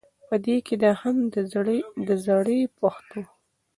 په دې چې دا هم د زړې پښتو